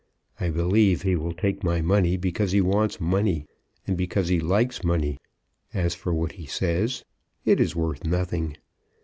I believe he will take my money because he wants money, and because he likes money. As for what he says, it is worth nothing.